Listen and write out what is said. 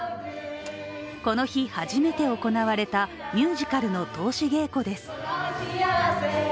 この日、初めて行われたミュージカルの通し稽古です。